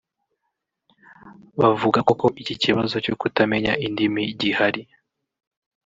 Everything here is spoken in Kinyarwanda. bavuga koko iki kibazo cyo kutamenya indimi gihari